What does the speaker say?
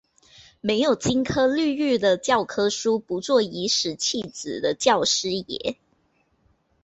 没有金科绿玉的教科书，不做颐使气指的教师爷